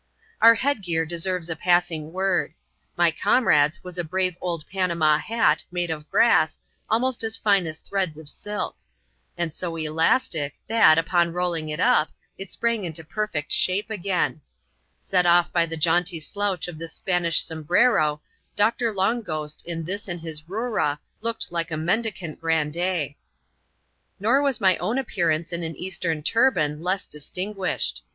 Our headgear deserves a passing word. My comrade's was a brave old Panama hat, made of grass, almost as. fine as threads of silk ; and so elastic, that, upon rolling it up, it sprang into perfect shape again. Set oS ^^7 \5^"^ ^wwafc^ slouch of this CHAP. LXL] PBEPARING FOR THE JOURNEY. s 237 Spanisli sombrero, Doctor Long Ghost, in this and his Roora, looked like a mendicant grandee. Nor was my own appearance in an Eastern turban less dis tinguished.